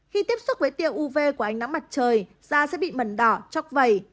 khi tiếp xúc với tiêu uv của ánh nắng mặt trời da sẽ bị mẩn đỏ chóc vầy